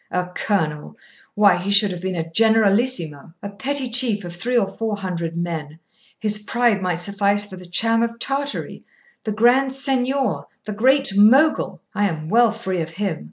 A colonel! why, he should have been a generalissimo. A petty chief of three or four hundred men! his pride might suffice for the Cham of Tartary the Grand Seignior the Great Mogul! I am well free of him.